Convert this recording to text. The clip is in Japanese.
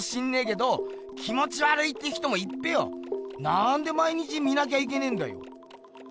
なんで毎日見なきゃいけねんだよ？